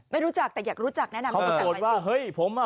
ไม่รู้จักแต่อยากรู้จักแนะนำเขาตะโกนว่าเฮ้ยผมอ่ะ